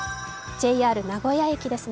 ＪＲ名古屋駅ですね。